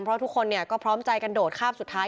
เพราะทุกคนก็พร้อมใจกันโดดข้ามสุดท้าย